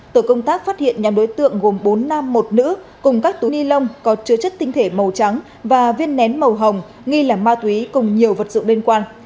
tổ công tác phát hiện nhóm đối tượng gồm bốn nam một nữ cùng các túi ni lông có chứa chất tinh thể màu trắng và viên nén màu hồng nghi là ma túy cùng nhiều vật dụng liên quan